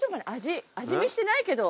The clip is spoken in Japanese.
味見してないけど。